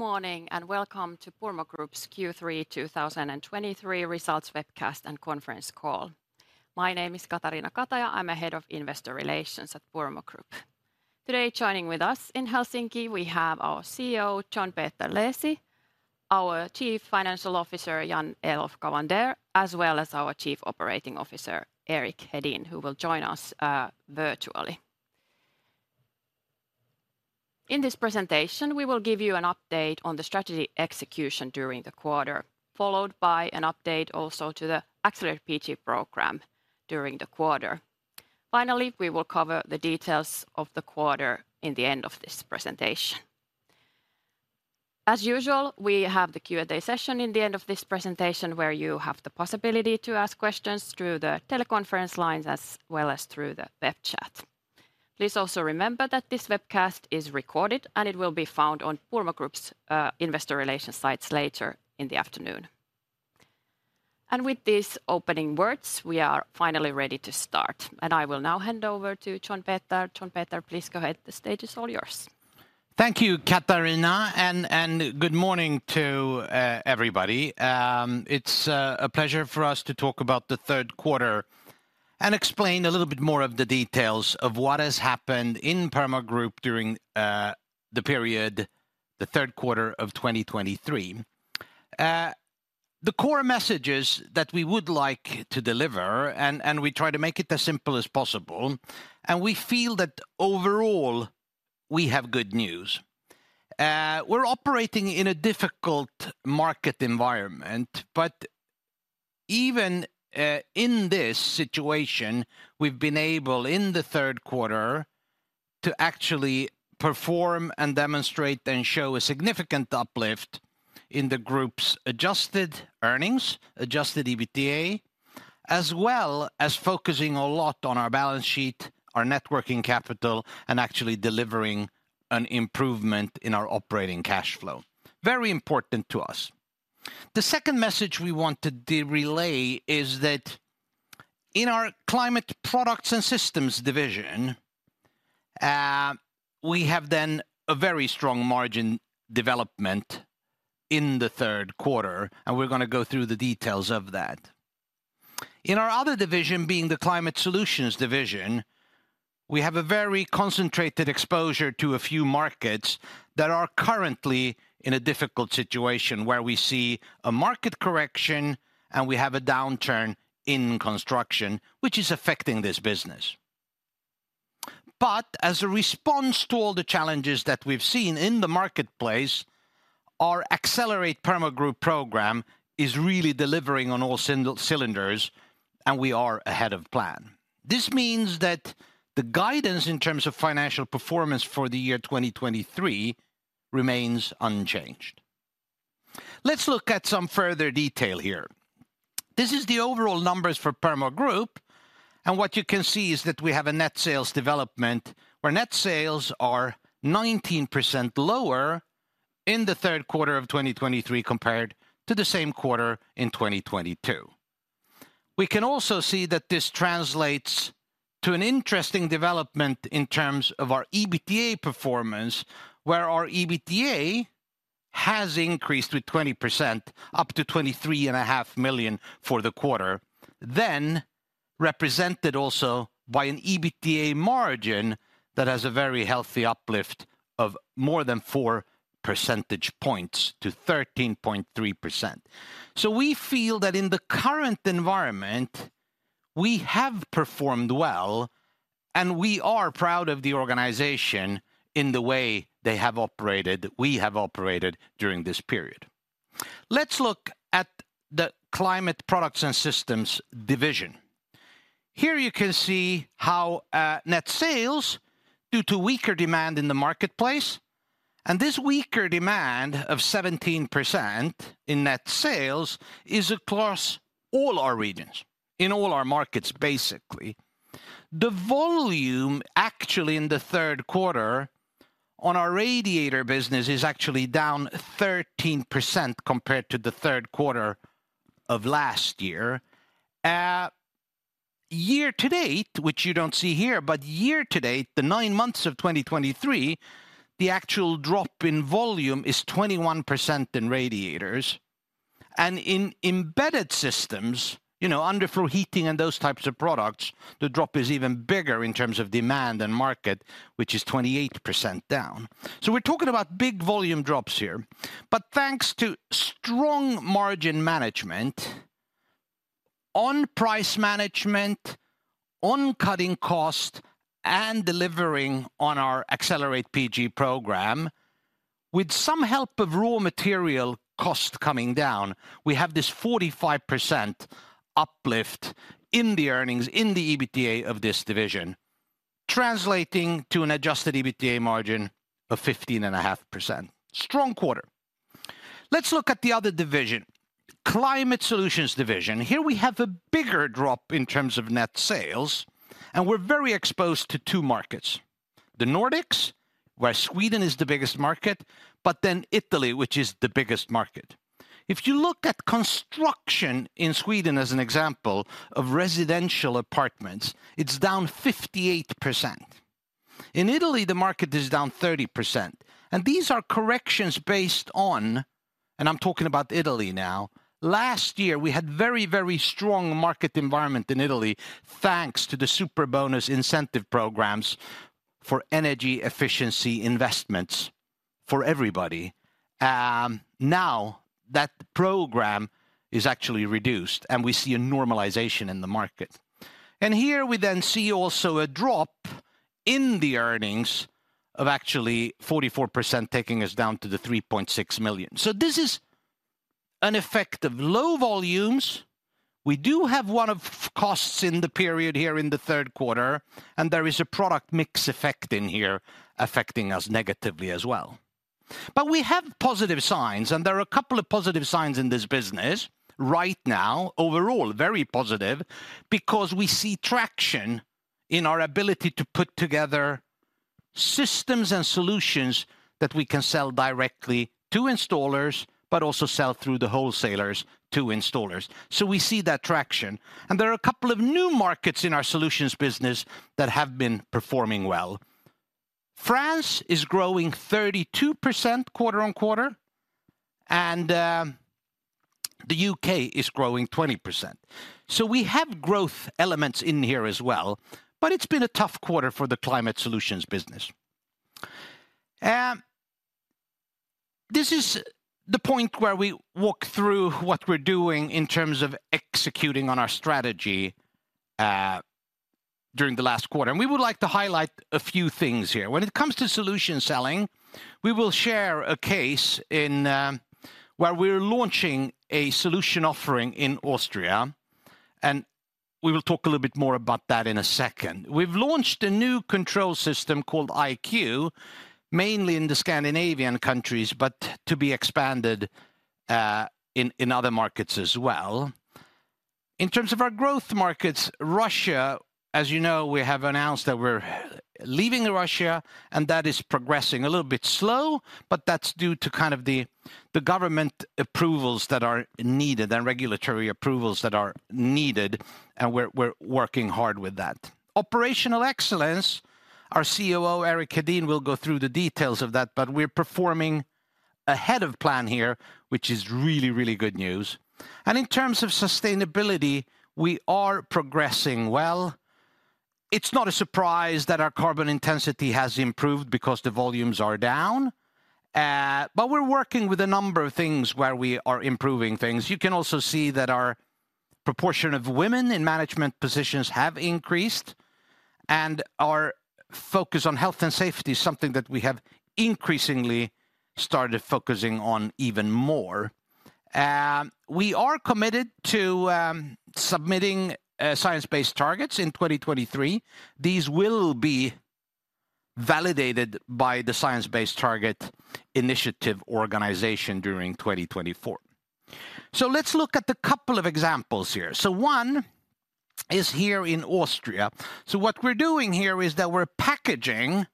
Good morning, and welcome to Purmo Group's Q3 2023 Results Webcast and Conference Call. My name is Katariina Kataja. I'm Head of Investor Relations at Purmo Group. Today, joining with us in Helsinki, we have our CEO, John Peter Leesi; our Chief Financial Officer, Jan-Elof Cavander; as well as our Chief Operating Officer, Erik Hedin, who will join us virtually. In this presentation, we will give you an update on the strategy execution during the quarter, followed by an update also to the Accelerate PG program during the quarter. Finally, we will cover the details of the quarter in the end of this presentation. As usual, we have the Q&A session in the end of this presentation, where you have the possibility to ask questions through the teleconference lines as well as through the web chat. Please also remember that this webcast is recorded, and it will be found on Purmo Group's investor relations sites later in the afternoon. With these opening words, we are finally ready to start, and I will now hand over to John Peter. John Peter, please go ahead. The stage is all yours. Thank you, Katariina, and good morning to everybody. It's a pleasure for us to talk about the Q3 and explain a little bit more of the details of what has happened in Purmo Group during the period, the Q3 of 2023. The core messages that we would like to deliver, and we try to make it as simple as possible, and we feel that overall, we have good news. We're operating in a difficult market environment, but even in this situation, we've been able, in the Q3, to actually perform and demonstrate and show a significant uplift in the group's adjusted earnings, adjusted EBITDA, as well as focusing a lot on our balance sheet, our net working capital, and actually delivering an improvement in our operating cash flow. Very important to us. The second message we want to relay is that in our Climate Products and Systems division, we have then a very strong margin development in the Q3, and we're gonna go through the details of that. In our other division, being the Climate Solutions division, we have a very concentrated exposure to a few markets that are currently in a difficult situation, where we see a market correction, and we have a downturn in construction, which is affecting this business. But as a response to all the challenges that we've seen in the marketplace, our Accelerate Purmo Group program is really delivering on all cylinders, and we are ahead of plan. This means that the guidance in terms of financial performance for the year 2023 remains unchanged. Let's look at some further detail here. This is the overall numbers for Purmo Group, and what you can see is that we have a net sales development, where net sales are 19% lower in the Q3 of 2023, compared to the same quarter in 2022. We can also see that this translates to an interesting development in terms of our EBITDA performance, where our EBITDA has increased with 20%, up to 23.5 million for the quarter. Then, represented also by an EBITDA margin that has a very healthy uplift of more than four percentage points to 13.3%. So we feel that in the current environment, we have performed well, and we are proud of the organization in the way they have operated-- we have operated during this period. Let's look at the Climate Products and Systems division. Here, you can see how, net sales, due to weaker demand in the marketplace, and this weaker demand of 17% in net sales is across all our regions, in all our markets, basically. The volume, actually, in the Q3 on our radiator business is actually down 13% compared to the Q3 of last year. Year to date, which you don't see here, but year to date, the nine months of 2023, the actual drop in volume is 21% in radiators, and in embedded systems, you know, underfloor heating and those types of products, the drop is even bigger in terms of demand and market, which is 28% down. So we're talking about big volume drops here. But thanks to strong margin management on price management, on cutting cost, and delivering on our Accelerate PG program, with some help of raw material cost coming down, we have this 45% uplift in the earnings, in the EBITDA of this division, translating to an adjusted EBITDA margin of 15.5%. Strong quarter. Let's look at the other division, Climate Solutions division. Here we have a bigger drop in terms of net sales, and we're very exposed to two markets: the Nordics, where Sweden is the biggest market, but then Italy, which is the biggest market. If you look at construction in Sweden as an example of residential apartments, it's down 58%. In Italy, the market is down 30%, and these are corrections based on – and I'm talking about Italy now. Last year, we had very, very strong market environment in Italy, thanks to the Superbonus incentive programs for energy efficiency investments for everybody. Now, that program is actually reduced, and we see a normalization in the market. And here we then see also a drop in the earnings of actually 44%, taking us down to 3.6 million. So this is an effect of low volumes. We do have one-off costs in the period here in the Q3, and there is a product mix effect in here affecting us negatively as well. But we have positive signs, and there are a couple of positive signs in this business right now. Overall, very positive, because we see traction in our ability to put together systems and solutions that we can sell directly to installers, but also sell through the wholesalers to installers. So we see that traction, and there are a couple of new markets in our solutions business that have been performing well. France is growing 32% quarter-on-quarter, and the UK is growing 20%. So we have growth elements in here as well, but it's been a tough quarter for the Climate Solutions business. This is the point where we walk through what we're doing in terms of executing on our strategy during the last quarter, and we would like to highlight a few things here. When it comes to solution selling, we will share a case in where we're launching a solution offering in Austria, and we will talk a little bit more about that in a second. We've launched a new control system called IQ, mainly in the Scandinavian countries, but to be expanded in other markets as well. In terms of our growth markets, Russia, as you know, we have announced that we're leaving Russia, and that is progressing a little bit slow, but that's due to kind of the government approvals that are needed and regulatory approvals that are needed, and we're working hard with that. Operational excellence, our COO, Erik Hedin, will go through the details of that, but we're performing ahead of plan here, which is really, really good news. In terms of sustainability, we are progressing well. It's not a surprise that our carbon intensity has improved because the volumes are down, but we're working with a number of things where we are improving things. You can also see that our proportion of women in management positions have increased, and our focus on health and safety is something that we have increasingly started focusing on even more. We are committed to submitting science-based targets in 2023. These will be validated by the Science Based Targets initiative organization during 2024. So let's look at a couple of examples here. So one is here in Austria. So what we're doing here is that we're packaging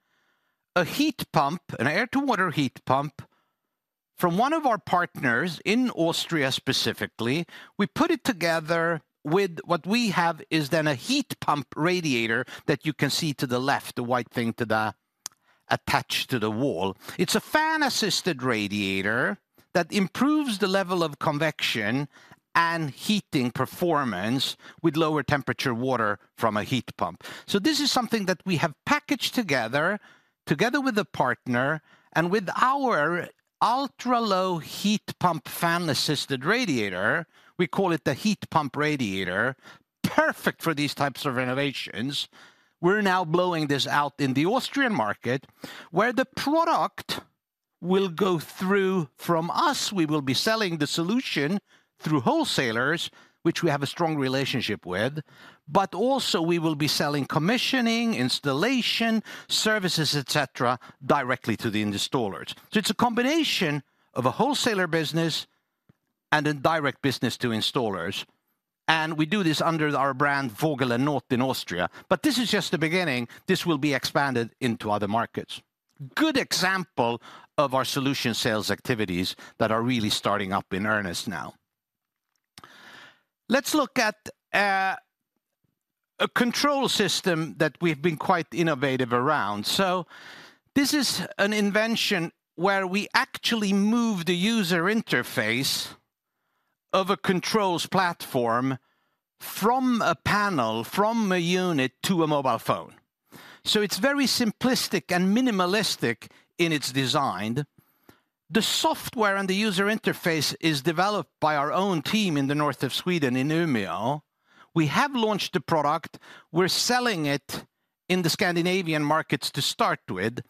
a heat pump, an air-to-water heat pump, from one of our partners in Austria, specifically. We put it together with what we have is then a heat pump radiator that you can see to the left, the white thing attached to the wall. It's a fan-assisted radiator that improves the level of convection and heating performance with lower temperature water from a heat pump. So this is something that we have packaged together, together with a partner, and with our ultra-low heat pump fan-assisted radiator, we call it the heat pump radiator, perfect for these types of renovations. We're now blowing this out in the Austrian market, where the product will go through from us. We will be selling the solution through wholesalers, which we have a strong relationship with, but also we will be selling commissioning, installation, services, et cetera, directly to the installers. So it's a combination of a wholesaler business and a direct business to installers, and we do this under our brand, Vogel & Noot, in Austria. But this is just the beginning. This will be expanded into other markets. Good example of our solution sales activities that are really starting up in earnest now. Let's look at a control system that we've been quite innovative around. So this is an invention where we actually move the user interface of a controls platform from a panel, from a unit to a mobile phone. So it's very simplistic and minimalistic in its design. The software and the user interface is developed by our own team in the north of Sweden, in Umeå. We have launched the product. We're selling it in the Scandinavian markets to start with.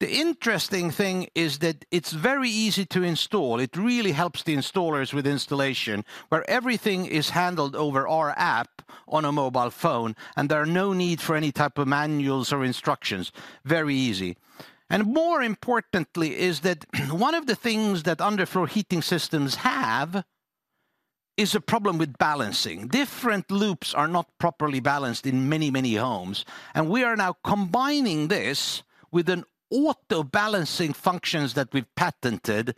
The interesting thing is that it's very easy to install. It really helps the installers with installation, where everything is handled over our app on a mobile phone, and there are no need for any type of manuals or instructions. Very easy. And more importantly, is that one of the things that underfloor heating systems have is a problem with balancing. Different loops are not properly balanced in many, many homes, and we are now combining this with an auto-balancing functions that we've patented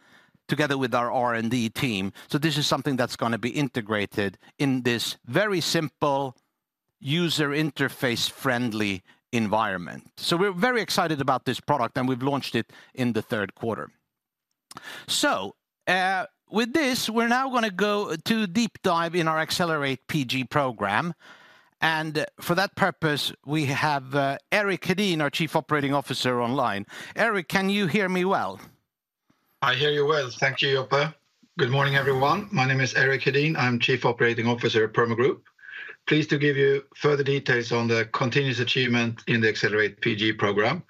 together with our R&D team. So this is something that's gonna be integrated in this very simple, user interface-friendly environment. So we're very excited about this product, and we've launched it in the Q3. So, with this, we're now gonna go to deep dive in our Accelerate PG program, and for that purpose, we have Erik Hedin, our Chief Operating Officer, online. Erik, can you hear me well? I hear you well. Thank you, Joppe. Good morning, everyone. My name is Erik Hedin. I'm Chief Operating Officer at Purmo Group. Pleased to give you further details on the continuous achievement in the Accelerate PG program,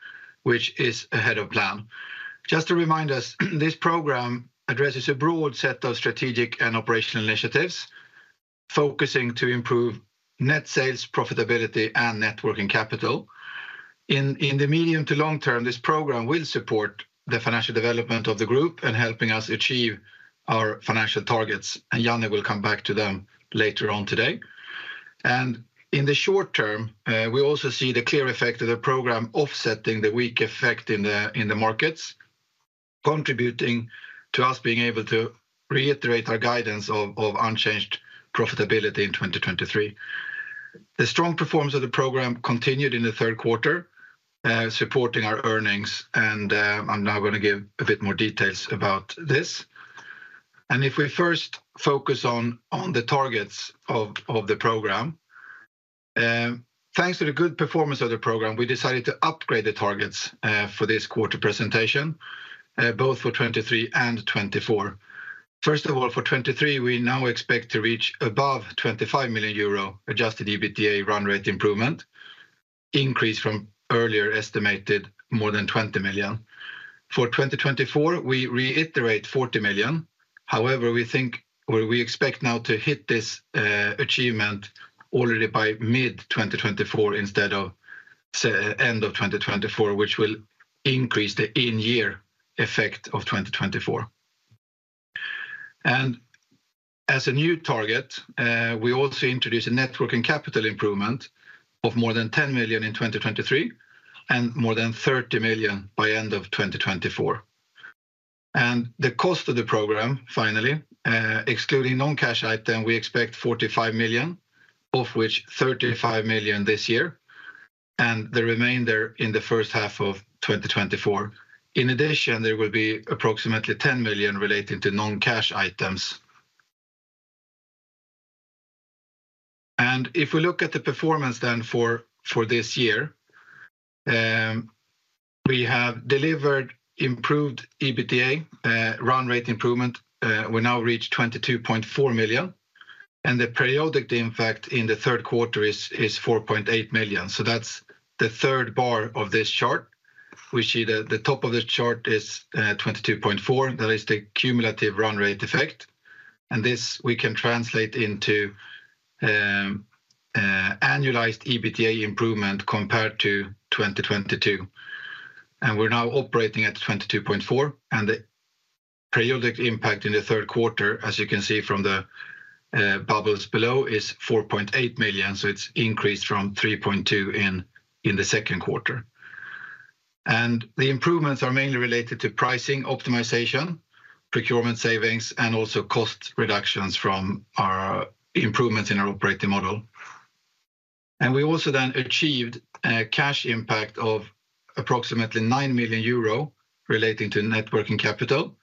which is ahead of plan. Just to remind us, this program addresses a broad set of strategic and operational initiatives, focusing to improve net sales, profitability, and net working capital. In the medium to long term, this program will support the financial development of the group in helping us achieve our financial targets, and Jan will come back to them later on today. And in the short term, we also see the clear effect of the program offsetting the weak effect in the markets, contributing to us being able to reiterate our guidance of unchanged profitability in 2023. The strong performance of the program continued in the Q3, supporting our earnings, and I'm now gonna give a bit more details about this. If we first focus on the targets of the program, thanks to the good performance of the program, we decided to upgrade the targets for this quarter presentation, both for 2023 and 2024. First of all, for 2023, we now expect to reach above 25 million euro Adjusted EBITDA run rate improvement, increase from earlier estimated more than 20 million. For 2024, we reiterate 40 million. However, we think... or we expect now to hit this achievement already by mid-2024 instead of end of 2024, which will increase the in-year effect of 2024. As a new target, we also introduce a net working capital improvement of more than 10 million in 2023, and more than 30 million by end of 2024. The cost of the program, finally, excluding non-cash item, we expect 45 million, of which 35 million this year, and the remainder in the first half of 2024. In addition, there will be approximately 10 million relating to non-cash items. If we look at the performance then for this year, we have delivered improved EBITDA, run rate improvement. We now reach 22.4 million, and the periodic impact in the Q3 is 4.8 million, so that's the third bar of this chart. We see the top of the chart is 22.4. That is the cumulative run rate effect, and this we can translate into annualized EBITDA improvement compared to 2022. We're now operating at 22.4, and the periodic impact in the Q3, as you can see from the bubbles below, is 4.8 million, so it's increased from 3.2 in the Q2. The improvements are mainly related to pricing optimization, procurement savings, and also cost reductions from our improvements in our operating model. We also achieved a cash impact of approximately 9 million euro relating to net working capital,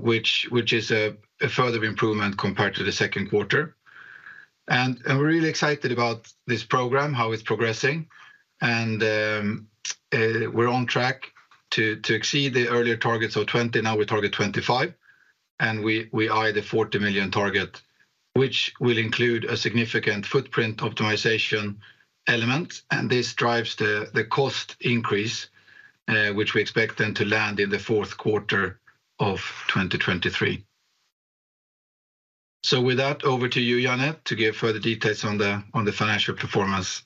which is a further improvement compared to the Q2. I'm really excited about this program, how it's progressing, and we're on track to exceed the earlier targets of 20 million. Now we target 25 million, and we eye the 40 million target, which will include a significant footprint optimization element. This drives the cost increase, which we expect then to land in the Q4 of 2023. So with that, over to you, Jan, to give further details on the financial performance.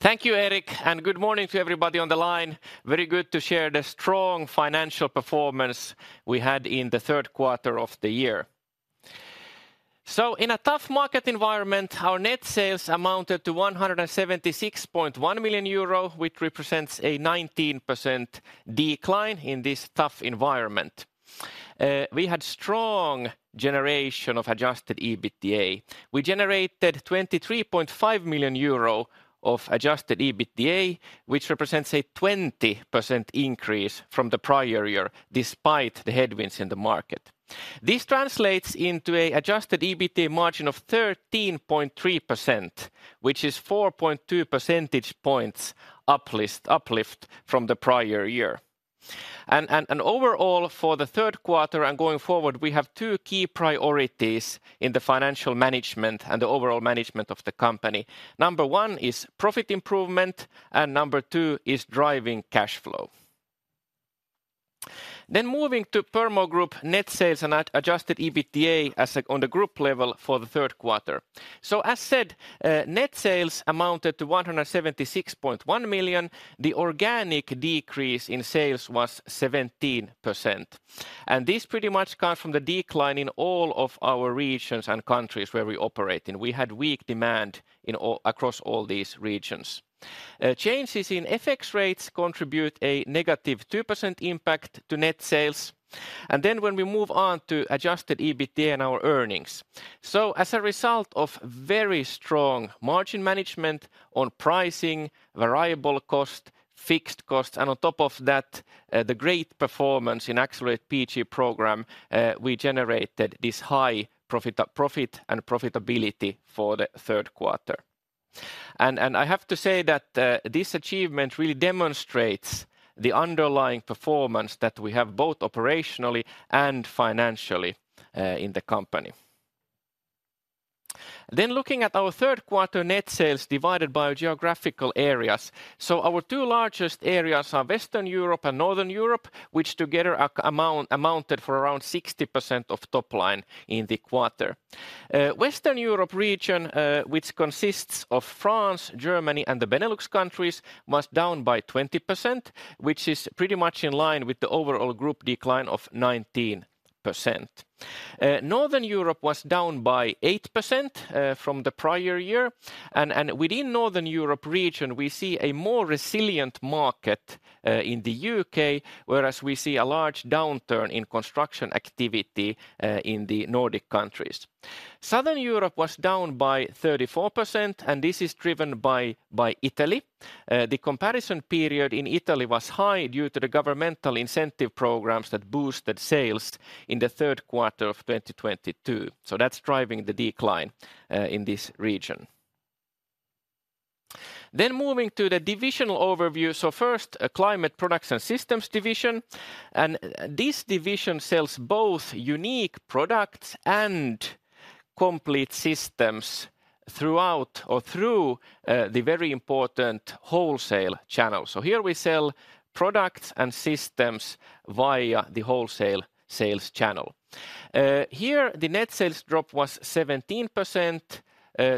Thank you, Erik, and good morning to everybody on the line. Very good to share the strong financial performance we had in the Q3 of the year. So in a tough market environment, our net sales amounted to 176.1 million euro, which represents a 19% decline in this tough environment. We had strong generation of adjusted EBITDA. We generated 23.5 million euro of adjusted EBITDA, which represents a 20% increase from the prior year, despite the headwinds in the market. This translates into a adjusted EBITDA margin of 13.3%, which is 4.2 percentage points uplift from the prior year. Overall, for the Q3 and going forward, we have two key priorities in the financial management and the overall management of the company. Number one is profit improvement, and number two is driving cash flow. Then moving to Purmo Group net sales and adjusted EBITDA on the group level for the Q3. So as said, net sales amounted to 176.1 million. The organic decrease in sales was 17%, and this pretty much comes from the decline in all of our regions and countries where we operate in. We had weak demand across all these regions. Changes in FX rates contribute a negative 2% impact to net sales. And then when we move on to adjusted EBITDA and our earnings. So as a result of very strong margin management on pricing, variable cost, fixed cost, and on top of that, the great performance in Accelerate PG program, we generated this high profit and profitability for the Q3. And I have to say that, this achievement really demonstrates the underlying performance that we have, both operationally and financially, in the company. Then looking at our Q3 net sales divided by geographical areas. So our two largest areas are Western Europe and Northern Europe, which together amounted for around 60% of top line in the quarter. Western Europe region, which consists of France, Germany, and the Benelux countries, was down by 20%, which is pretty much in line with the overall group decline of 19%. Northern Europe was down by 8%, from the prior year, and within Northern Europe region, we see a more resilient market in the UK, whereas we see a large downturn in construction activity in the Nordic countries. Southern Europe was down by 34%, and this is driven by Italy. The comparison period in Italy was high due to the governmental incentive programs that boosted sales in the Q3 of 2022. So that's driving the decline in this region. Then moving to the divisional overview. So first, Climate Products and Systems division, and this division sells both unique products and complete systems through the very important wholesale channel. So here we sell products and systems via the wholesale sales channel. Here, the net sales drop was 17%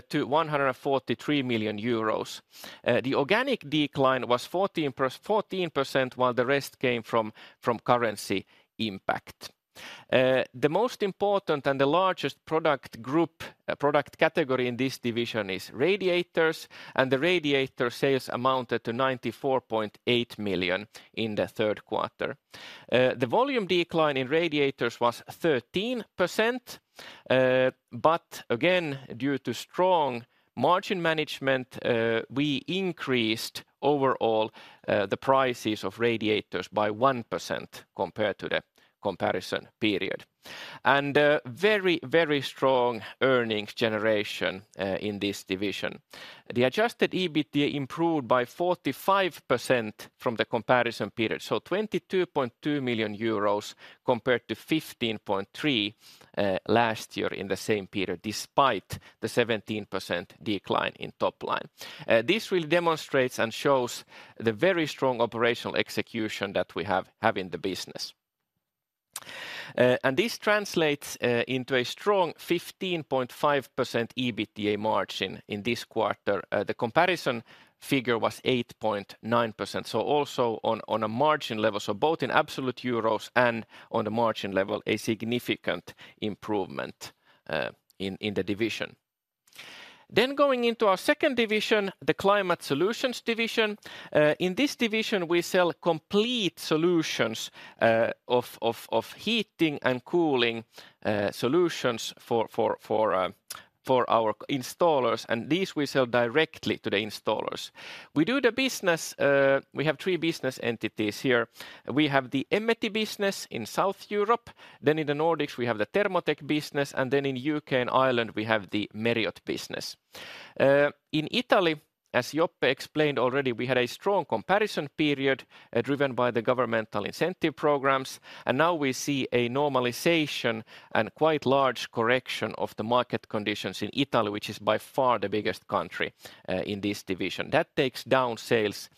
to 143 million euros. The organic decline was 14%, while the rest came from currency impact. The most important and the largest product group, product category in this division is radiators, and the radiator sales amounted to 94.8 million in the Q3. The volume decline in radiators was 13%, but again, due to strong margin management, we increased overall the prices of radiators by 1% compared to the comparison period. And, very, very strong earnings generation in this division. The Adjusted EBITDA improved by 45% from the comparison period, so 22.2 million euros compared to 15.3 million last year in the same period, despite the 17% decline in top line. This really demonstrates and shows the very strong operational execution that we have in the business. This translates into a strong 15.5% EBITDA margin in this quarter. The comparison figure was 8.9%, so also on a margin level, both in absolute euros and on a margin level, a significant improvement in the division. Then going into our second division, the Climate Solutions division. In this division, we sell complete solutions of heating and cooling solutions for our installers, and these we sell directly to the installers. We do the business. We have three business entities here. We have the Emmeti business in South Europe, then in the Nordics, we have the Thermotech business, and then in UK and Ireland, we have the Merriott business. In Italy, as Joppe explained already, we had a strong comparison period, driven by the governmental incentive programs, and now we see a normalization and quite large correction of the market conditions in Italy, which is by far the biggest country in this division. That takes down sales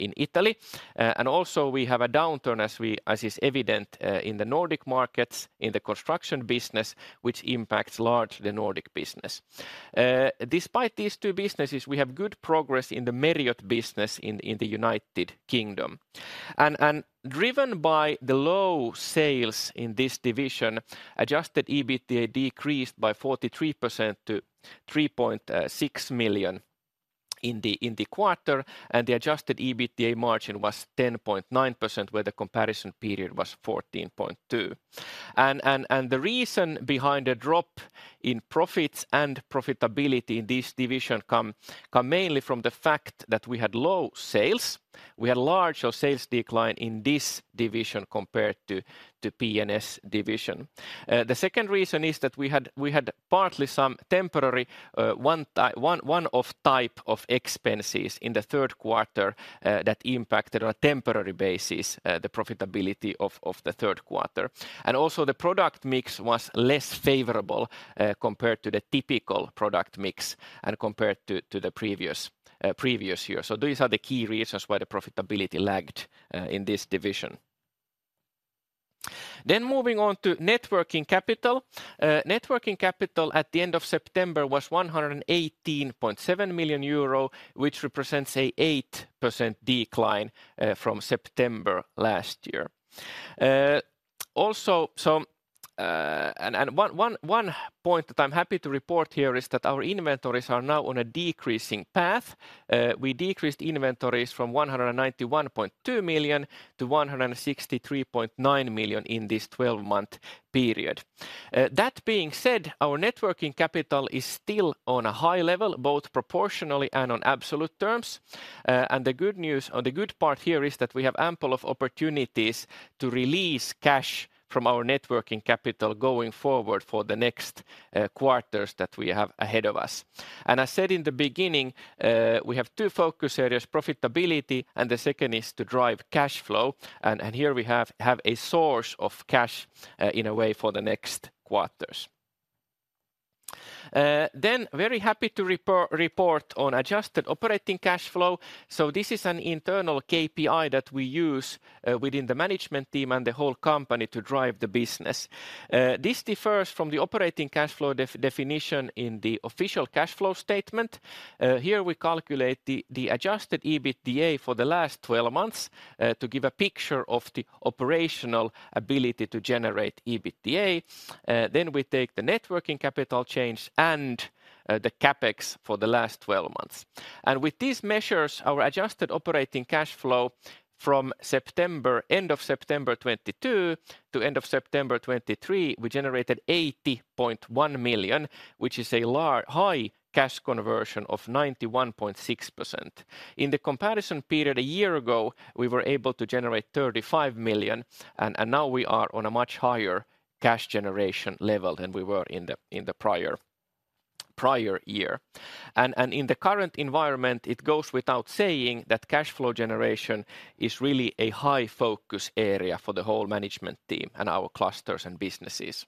in Italy. And also, we have a downturn, as is evident in the Nordic markets, in the construction business, which impacts large the Nordic business. Despite these two businesses, we have good progress in the Myriad business in the United Kingdom. And driven by the low sales in this division, Adjusted EBITDA decreased by 43% to 3.6 million in the quarter, and the Adjusted EBITDA margin was 10.9%, where the comparison period was 14.2%. The reason behind the drop in profits and profitability in this division comes mainly from the fact that we had low sales. We had a larger sales decline in this division compared to CP&S division. The second reason is that we had partly some temporary one-off type of expenses in the Q3 that impacted our temporary basis the profitability of the Q3. And also, the product mix was less favorable compared to the typical product mix and compared to the previous year. So these are the key reasons why the profitability lagged in this division. Then moving on to net working capital. Net working capital at the end of September was 118.7 million euro, which represents an 8% decline from September last year. Also, one point that I'm happy to report here is that our inventories are now on a decreasing path. We decreased inventories from 191.2 million to 163.9 million in this 12-month period. That being said, our net working capital is still on a high level, both proportionally and on absolute terms. And the good news or the good part here is that we have ample of opportunities to release cash from our net working capital going forward for the next quarters that we have ahead of us. And I said in the beginning, we have two focus areas: profitability, and the second is to drive cash flow. And here we have a source of cash, in a way, for the next quarters. Then very happy to report on adjusted operating cash flow. So this is an internal KPI that we use, within the management team and the whole company to drive the business. This differs from the operating cash flow definition in the official cash flow statement. Here we calculate the adjusted EBITDA for the last 12 months, to give a picture of the operational ability to generate EBITDA. Then we take the net working capital change and, the CapEx for the last 12 months. And with these measures, our adjusted operating cash flow from September... End of September 2022 to end of September 2023, we generated 80.1 million, which is a rather high cash conversion of 91.6%. In the comparison period a year ago, we were able to generate 35 million, and now we are on a much higher cash generation level than we were in the prior year. In the current environment, it goes without saying that cash flow generation is really a high-focus area for the whole management team and our clusters and businesses.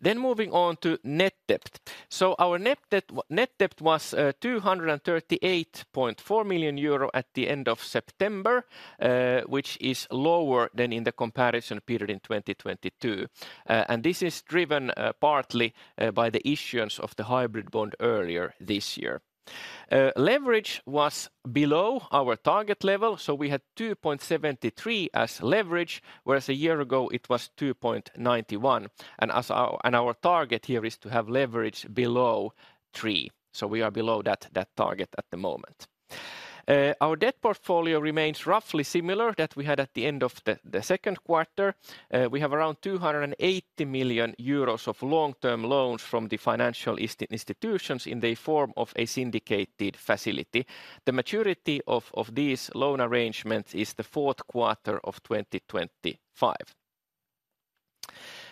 Then moving on to net debt. So our net debt was 238.4 million euro at the end of September, which is lower than in the comparison period in 2022. And this is driven partly by the issuance of the hybrid bond earlier this year. Leverage was below our target level, so we had 2.73 as leverage, whereas a year ago it was 2.91. And as our target here is to have leverage below three, so we are below that target at the moment. Our debt portfolio remains roughly similar that we had at the end of the Q2. We have around 280 million euros of long-term loans from the financial institutions in the form of a syndicated facility. The maturity of these loan arrangements is the Q4 of 2025.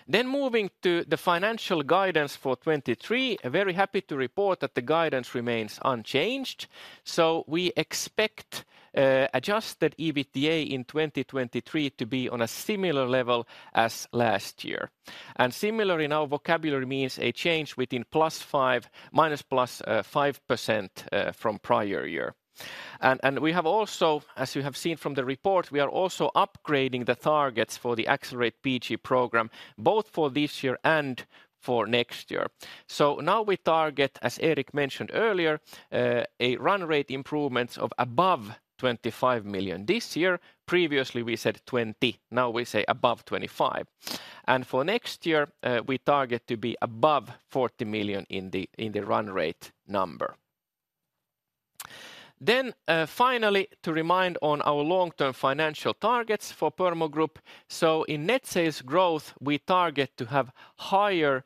Then moving to the financial guidance for 2023, I'm very happy to report that the guidance remains unchanged. So we expect Adjusted EBITDA in 2023 to be on a similar level as last year. And similarly, now volatility means a change within +5/- +5% from prior year. And we have also, as you have seen from the report, we are also upgrading the targets for the Accelerate PG program, both for this year and for next year. So now we target, as Erik mentioned earlier, a run rate improvements of above 25 million this year. Previously, we said 20. Now we say above 25. And for next year, we target to be above 40 million in the run rate number. Then, finally, to remind on our long-term financial targets for Purmo Group. So in net sales growth, we target to have higher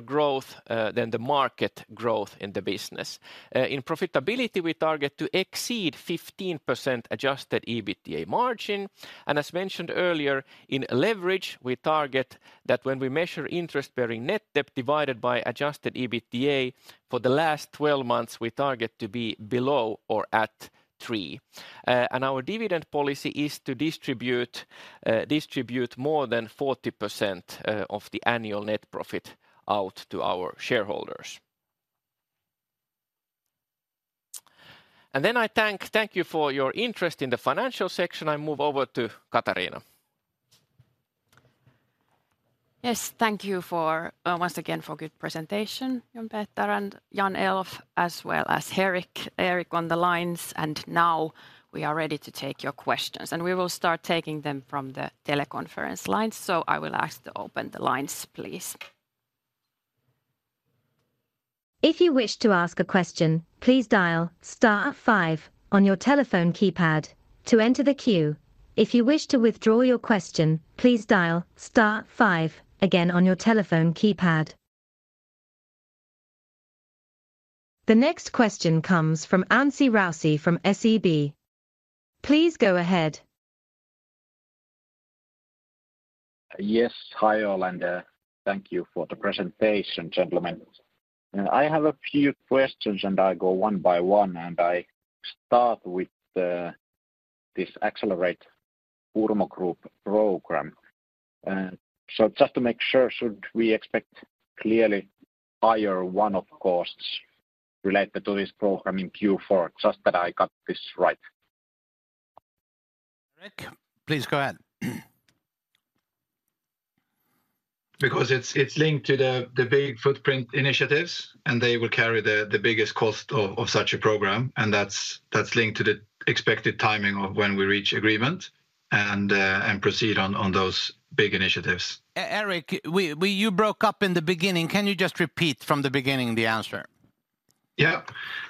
growth than the market growth in the business. In profitability, we target to exceed 15% adjusted EBITDA margin. As mentioned earlier, in leverage, we target that when we measure interest-bearing net debt divided by Adjusted EBITDA for the last 12 months, we target to be below or at three. Our dividend policy is to distribute, distribute more than 40% of the annual net profit out to our shareholders. Then I thank you for your interest in the financial section. I move over to Katariina. Yes, thank you for once again for a good presentation, John Peter and Jan-Elof, as well as Erik on the lines. Now we are ready to take your questions, and we will start taking them from the teleconference lines, so I will ask to open the lines, please. If you wish to ask a question, please dial star five on your telephone keypad to enter the queue. If you wish to withdraw your question, please dial star five again on your telephone keypad. The next question comes from Anssi Raussi from SEB. Please go ahead. Yes, hi, all, and, thank you for the presentation, gentlemen. I have a few questions, and I go one by one, and I start with, this Accelerate Purmo Group program. So just to make sure, should we expect clearly higher one-off costs related to this program in Q4? Just that I got this right. Erik, please go ahead. Because it's linked to the big footprint initiatives, and they will carry the biggest cost of such a program, and that's linked to the expected timing of when we reach agreement and proceed on those big initiatives. Erik, we-- you broke up in the beginning. Can you just repeat from the beginning, the answer? Yeah.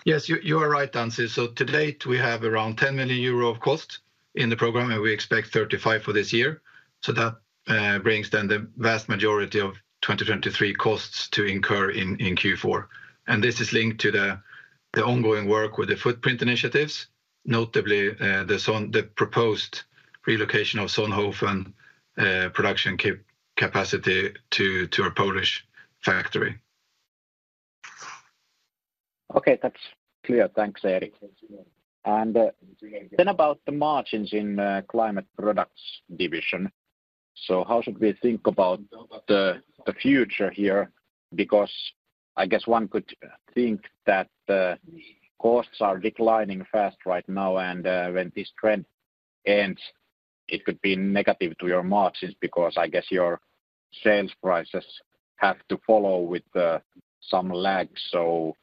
Yes, you are right, Anssi. So to date, we have around 10 million euro of cost in the program, and we expect 35 for this year. So that brings then the vast majority of 2023 costs to incur in Q4. And this is linked to the ongoing work with the footprint initiatives, notably the proposed relocation of Sonthofen production capacity to our Polish factory. Okay, that's clear. Thanks, Erik. And, then about the margins in, climate products division. So how should we think about the, the future here? Because I guess one could think that the costs are declining fast right now, and, when this trend ends, it could be negative to your margins, because I guess your sales prices have to follow with, some lag. So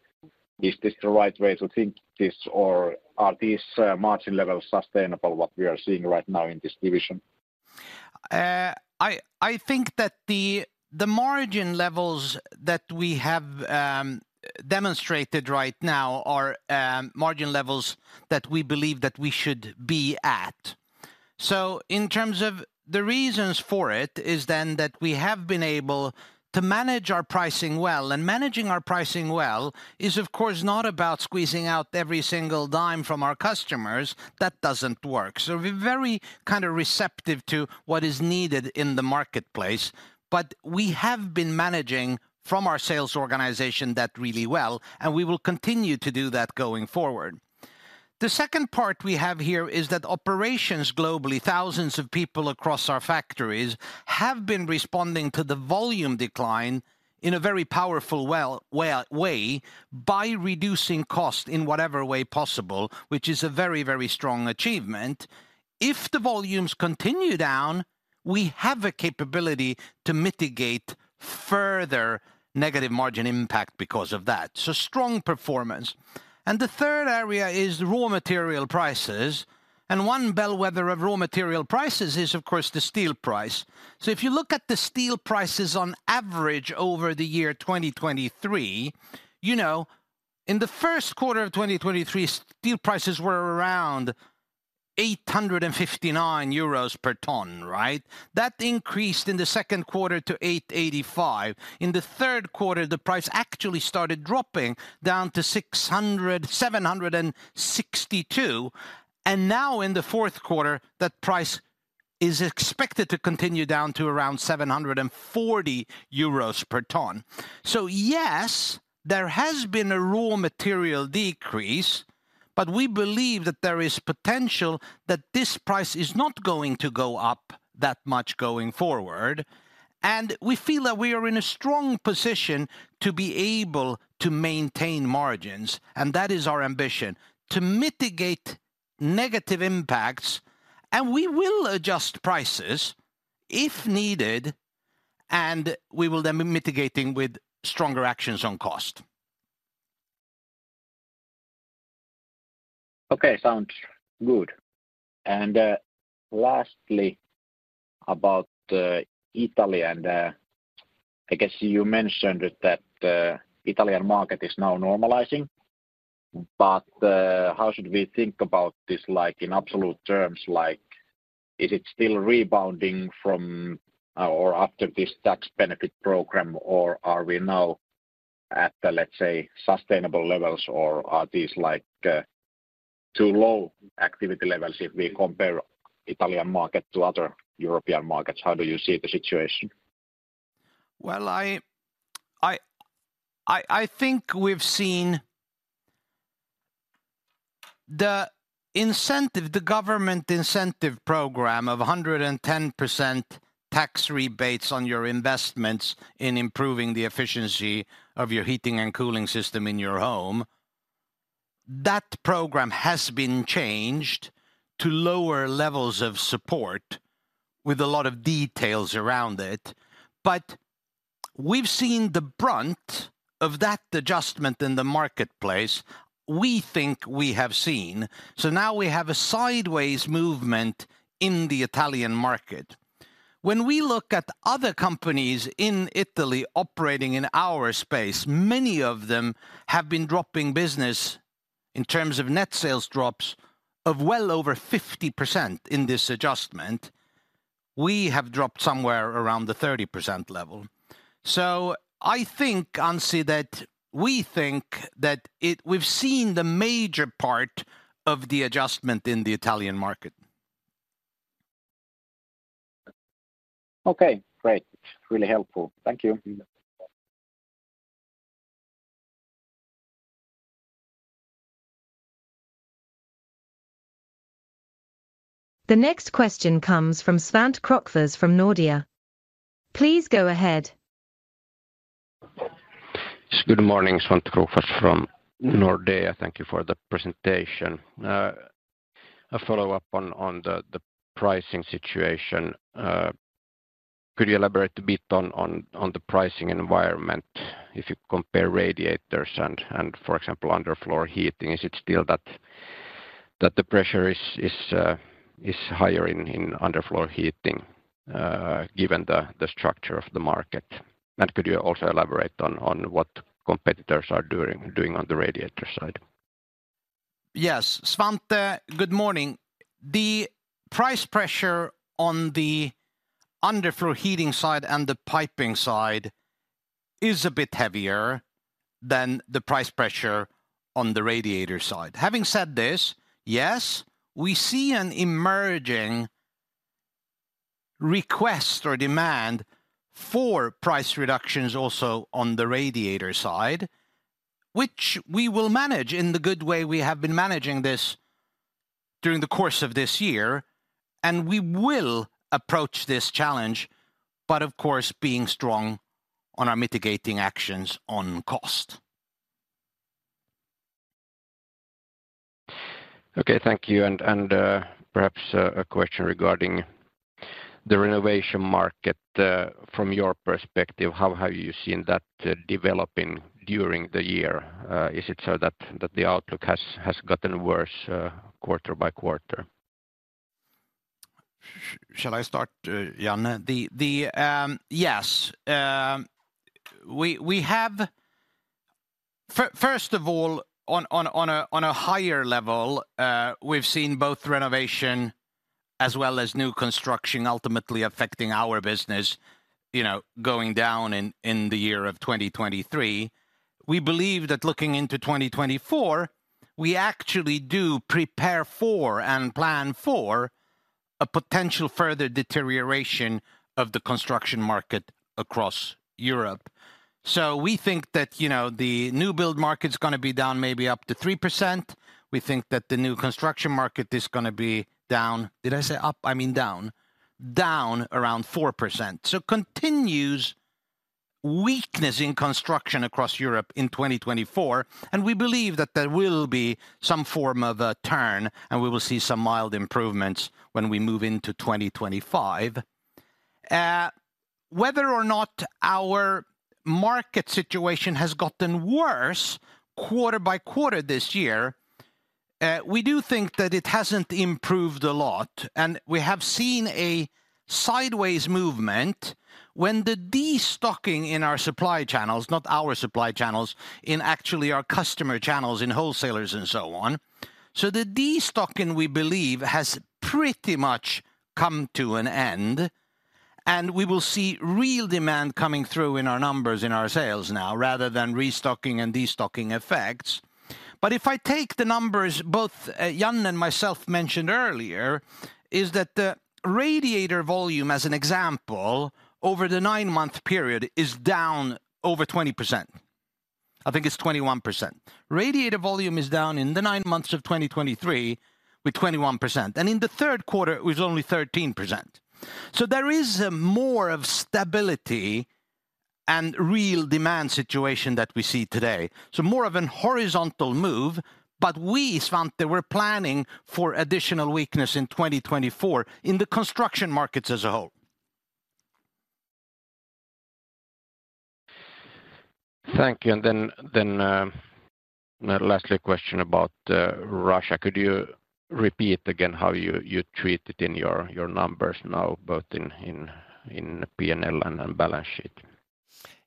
is this the right way to think this, or are these, margin levels sustainable, what we are seeing right now in this division? I think that the margin levels that we have demonstrated right now are margin levels that we believe that we should be at. So in terms of the reasons for it, is then that we have been able to manage our pricing well, and managing our pricing well is, of course, not about squeezing out every single dime from our customers. That doesn't work. So we're very kind of receptive to what is needed in the marketplace, but we have been managing from our sales organization that really well, and we will continue to do that going forward. The second part we have here is that operations globally, thousands of people across our factories, have been responding to the volume decline in a very powerful well, way by reducing cost in whatever way possible, which is a very, very strong achievement. If the volumes continue down, we have a capability to mitigate further negative margin impact because of that. So strong performance. And the third area is raw material prices, and one bellwether of raw material prices is, of course, the steel price. So if you look at the steel prices on average over the year 2023, you know, in the Q1 of 2023, steel prices were around 859 euros per ton, right? That increased in the Q2 to 885. In the Q3, the price actually started dropping down to 762. And now in the Q4, that price is expected to continue down to around 740 euros per ton. So yes, there has been a raw material decrease, but we believe that there is potential that this price is not going to go up that much going forward. And we feel that we are in a strong position to be able to maintain margins, and that is our ambition: to mitigate negative impacts. And we will adjust prices if needed, and we will then be mitigating with stronger actions on cost. Okay, sounds good. And, lastly, about Italy, and I guess you mentioned that Italian market is now normalizing, but how should we think about this, like, in absolute terms? Like, is it still rebounding from, or after this tax benefit program, or are we now at the, let's say, sustainable levels, or are these like, too low activity levels if we compare Italian market to other European markets? How do you see the situation? Well, I think we've seen... The incentive, the government incentive program of 110% tax rebates on your investments in improving the efficiency of your heating and cooling system in your home, that program has been changed to lower levels of support with a lot of details around it. But we've seen the brunt of that adjustment in the marketplace, we think we have seen. So now we have a sideways movement in the Italian market. When we look at other companies in Italy operating in our space, many of them have been dropping business in terms of net sales drops of well over 50% in this adjustment. We have dropped somewhere around the 30% level. So I think, Anssi, that we think that it—we've seen the major part of the adjustment in the Italian market. Okay, great. Really helpful. Thank you. ... The next question comes from Svante Krokfors from Nordea. Please go ahead. Yes, good morning, Svante Krokfors from Nordea. Thank you for the presentation. A follow-up on the pricing situation. Could you elaborate a bit on the pricing environment if you compare radiators and, for example, underfloor heating? Is it still that the pressure is higher in underfloor heating, given the structure of the market? And could you also elaborate on what competitors are doing on the radiator side? Yes, Svante, good morning. The price pressure on the underfloor heating side and the piping side is a bit heavier than the price pressure on the radiator side. Having said this, yes, we see an emerging request or demand for price reductions also on the radiator side, which we will manage in the good way we have been managing this during the course of this year, and we will approach this challenge, but of course, being strong on our mitigating actions on cost. Okay, thank you, and perhaps a question regarding the renovation market. From your perspective, how have you seen that developing during the year? Is it so that the outlook has gotten worse quarter by quarter? Shall I start, Jan? Yes, we have first of all, on a higher level, we've seen both renovation as well as new construction ultimately affecting our business, you know, going down in the year of 2023. We believe that looking into 2024, we actually do prepare for and plan for a potential further deterioration of the construction market across Europe. So we think that, you know, the new build market's gonna be down maybe up to 3%. We think that the new construction market is gonna be down. Did I say up? I mean down. Down around 4%. So continues weakness in construction across Europe in 2024, and we believe that there will be some form of a turn, and we will see some mild improvements when we move into 2025. Whether or not our market situation has gotten worse quarter by quarter this year, we do think that it hasn't improved a lot, and we have seen a sideways movement when the destocking in our supply channels, not our supply channels, in actually our customer channels, in wholesalers and so on. So the destocking, we believe, has pretty much come to an end, and we will see real demand coming through in our numbers, in our sales now, rather than restocking and destocking effects. But if I take the numbers, both, Jan and myself mentioned earlier, is that the radiator volume, as an example, over the nine-month period, is down over 20%. I think it's 21%. Radiator volume is down in the nine months of 2023 with 21%, and in the Q3, it was only 13%. So there is, more of stability and real demand situation that we see today, so more of an horizontal move, but we found that we're planning for additional weakness in 2024 in the construction markets as a whole. Thank you, and then lastly, a question about Russia. Could you repeat again how you treat it in your numbers now, both in PNL and in balance sheet?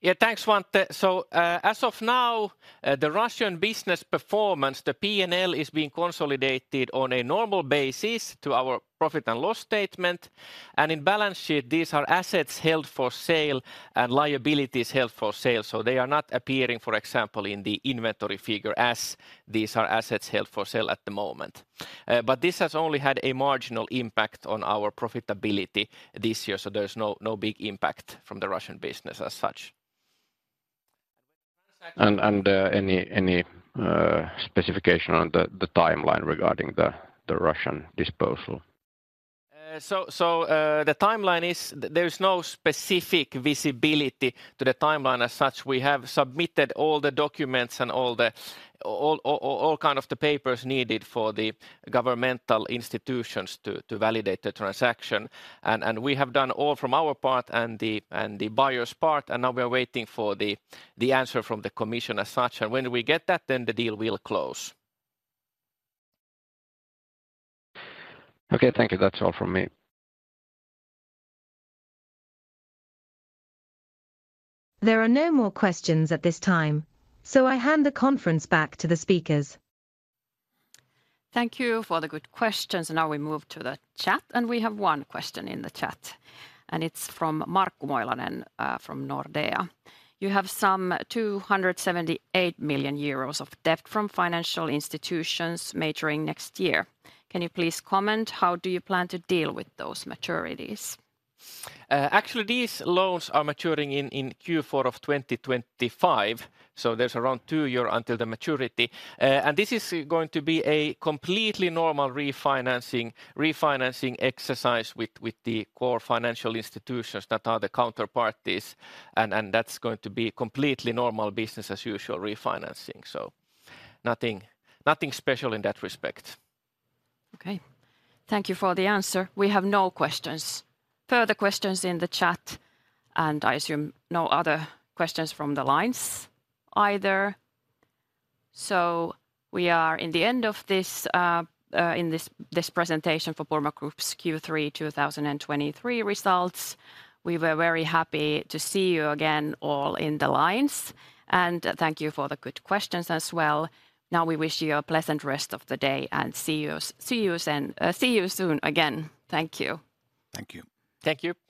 Yeah, thanks, Svante. So, as of now, the Russian business performance, the PNL, is being consolidated on a normal basis to our profit and loss statement, and in balance sheet, these are assets held for sale and liabilities held for sale, so they are not appearing, for example, in the inventory figure, as these are assets held for sale at the moment. But this has only had a marginal impact on our profitability this year, so there's no, no big impact from the Russian business as such. Any specification on the timeline regarding the Russian disposal? So, the timeline is... There's no specific visibility to the timeline as such. We have submitted all the documents and all kind of the papers needed for the governmental institutions to validate the transaction, and we have done all from our part and the buyer's part, and now we are waiting for the answer from the commission as such, and when we get that, then the deal will close. Okay, thank you. That's all from me. There are no more questions at this time, so I hand the conference back to the speakers. Thank you for the good questions. Now we move to the chat, and we have one question in the chat, and it's from Mark Moilanen from Nordea. You have some 278 million euros of debt from financial institutions maturing next year. Can you please comment, how do you plan to deal with those maturities? Actually, these loans are maturing in Q4 of 2025, so there's around two year until the maturity, and this is going to be a completely normal refinancing exercise with the core financial institutions that are the counterparties, and that's going to be completely normal business as usual refinancing, so nothing special in that respect. Okay. Thank you for the answer. We have no questions, further questions in the chat, and I assume no other questions from the lines either. So we are in the end of this, in this presentation for Purmo Group's Q3 2023 results. We were very happy to see you again, all in the lines, and thank you for the good questions as well. Now we wish you a pleasant rest of the day, and see you, see you soon. See you soon again. Thank you. Thank you. Thank you.